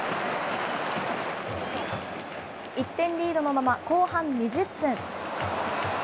１点リードのまま、後半２０分。